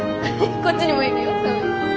こっちにもいるよサメ。